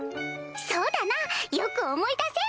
そうだなよく思い出せん！